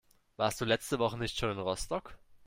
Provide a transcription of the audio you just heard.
Warst du letzte Woche nicht schon in Rostock?